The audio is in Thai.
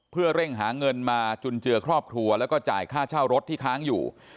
เพื่อเร่งหาเงินมาจุนเจือครอบครัวแล้วก็จ่ายค่าเช่ารถที่ค้างอยู่